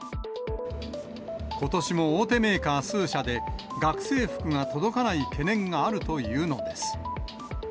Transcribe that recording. ことしも大手メーカー数社で、学生服が届かない懸念があるというのです。